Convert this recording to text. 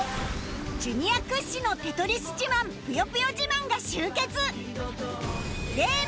Ｊｒ． 屈指の『テトリス』自慢『ぷよぷよ』自慢が集結！